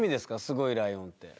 すごいライオンって。